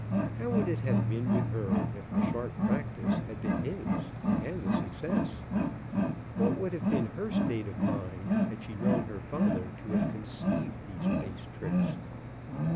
How would it have been with her if the sharp practice had been his, and the success? What would have been her state of mind had she known her father to have conceived these base tricks?